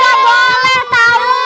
gak boleh tau